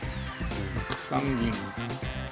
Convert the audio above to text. ６三銀。